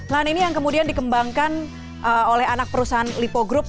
lahan ini yang kemudian dikembangkan oleh anak perusahaan lipo group